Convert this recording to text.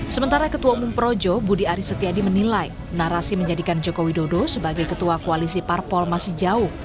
sementara ketua umum projo budi aris setiadi menilai narasi menjadikan jokowi dodo sebagai ketua koalisi parpol masih jauh